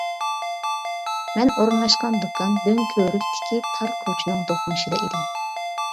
مەن ئورۇنلاشقان دۇكان دۆڭكۆۋرۈكتىكى تار كوچىنىڭ دوقمۇشىدا ئىدى.